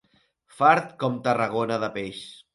Fart com Tarragona de peix.